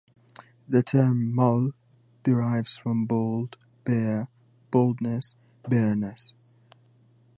The term "mull" derives from "bald, bare, baldness, bareness".